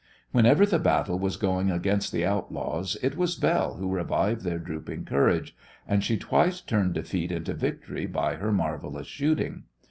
Whenever the battle was going against the outlaws it was Belle who revived their drooping courage, and she twice turned defeat into victory by her marvellous shooting.